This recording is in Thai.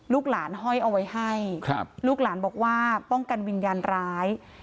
ลูกหลานห้อยเอาไว้ให้ลูกหลานบอกว่าป้องกันวิญญาณร้าย